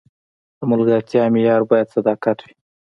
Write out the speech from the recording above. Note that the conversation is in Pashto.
د ملګرتیا معیار باید صداقت وي.